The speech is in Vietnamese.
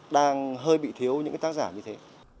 đang hơi bị thiếu những tác giả như thế